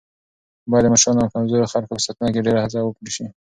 باید د مشرانو او کمزورو خلکو په ساتنه کې ډېره هڅه وشي.